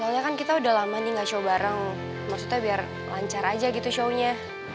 soalnya kan kita udah lama nih gak show bareng maksudnya biar lancar aja gitu shownya